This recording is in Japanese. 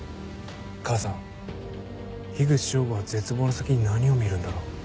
母さん口彰吾は絶望の先に何を見るんだろう。